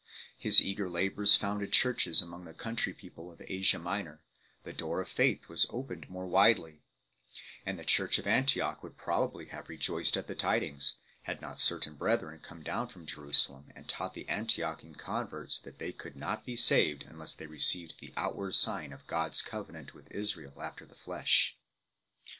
His eager labours founded churches among the country pe<fple of Asia Minor; the " door of faith " was opened more widely ; and the church at Antioch would probably have rejoiced at the tidings, had not certain brethren come down from Jerusalem and taught the Antiochene converts that they could not be saved unless they received the outward sign of God s cove nant with Israel after the flesh 3